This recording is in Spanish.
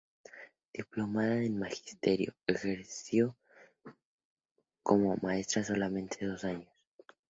Diplomada en Magisterio, ejerció como maestra solamente dos años.